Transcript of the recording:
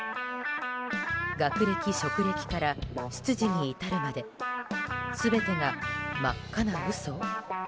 学歴・職歴から出自に至るまで全てが真っ赤な嘘？